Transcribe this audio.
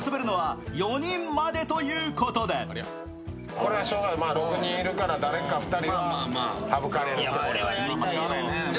これはしようがない、６人いるから誰か２人は省かれる。